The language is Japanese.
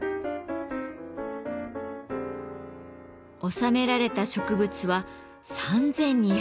収められた植物は３，２０６種。